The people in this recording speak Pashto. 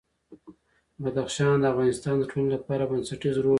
بدخشان د افغانستان د ټولنې لپاره بنسټيز رول لري.